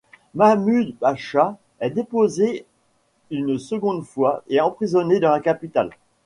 Mahmud Pacha est déposé une seconde fois et emprisonné dans la capitale.